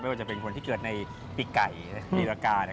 ว่าจะเป็นคนที่เกิดในปีไก่ปีรากา